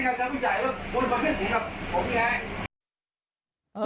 แสดงที่ผู้โดยใหญ่ควรพึ่งมาขึ้นเสียงกับผมไง